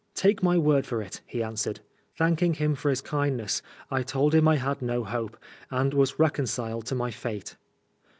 " Take my word for it," he answered. Thanking him for his kindness, I told him I had no hope, and was reconciled to my fate.